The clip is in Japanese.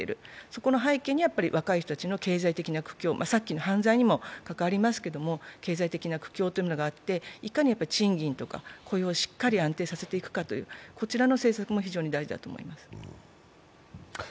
この背景には若い人たちの経済的な苦境というのがあってさっきの犯罪にも関わりますけれども、経済的な苦境があって、いかに賃金とか雇用をしっかり安定させていくかというこちらの政策も非常に大事だと思います。